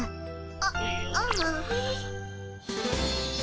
あっああ。